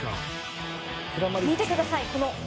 見てください！